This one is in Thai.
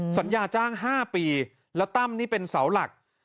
สัญญาจ้าง๕ปีแล้วตั้มนี่เป็นเสาหลัก